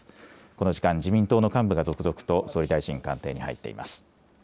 この時間、自民党の幹部が続々と総理大臣官邸に入っています。